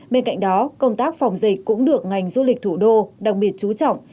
bên cạnh đó công tác phòng dịch cũng được ngành du lịch thủ đô đặc biệt chú trọng